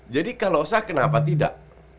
jadi kalo sah kenapa tidak